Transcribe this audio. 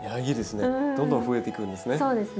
どんどん増えていくんですね。